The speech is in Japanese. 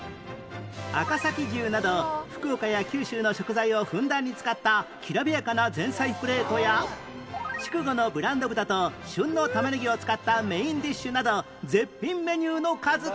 赤崎牛など福岡や九州の食材をふんだんに使ったきらびやかな前菜プレートや筑後のブランド豚と旬のタマネギを使ったメインディッシュなど絶品メニューの数々